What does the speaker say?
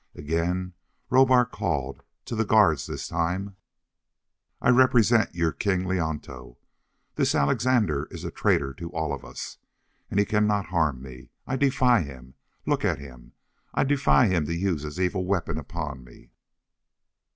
Again Rohbar called, to the guards this time: "I represent your King Leonto. This Alexandre is a traitor to us all. And he cannot harm me! I defy him. Look at him! I defy him to use his evil weapon upon me!"